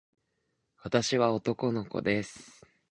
私は男の子です。